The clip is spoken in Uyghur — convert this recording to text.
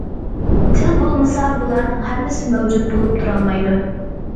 تىل بولمىسا بۇلارنىڭ ھەممىسى مەۋجۇت بولۇپ تۇرالمايدۇ.